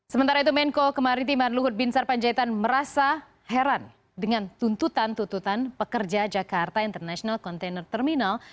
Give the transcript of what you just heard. sementara itu menko kemaritiman luhut bin sarpanjaitan merasa heran dengan tuntutan tuntutan pekerja jakarta international container terminal